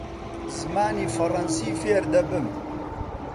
زمانی فەڕەنسی فێر دەبم.